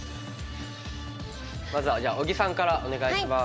まずはじゃあ尾木さんからお願いします。